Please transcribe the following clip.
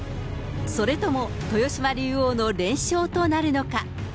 それとも豊島竜王の連勝となるのか。